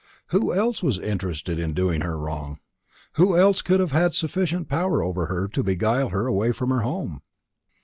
Who else was interested in doing her any wrong? Who else could have had sufficient power over her to beguile her away from her home?